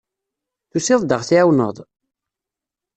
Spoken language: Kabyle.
Tusiḍ-d ad ɣ-tɛiwneḍ?